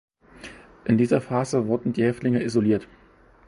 In dieser Phase wurden die Häftlinge isoliert.